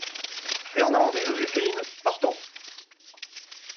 Fernande et Joséphine Partons !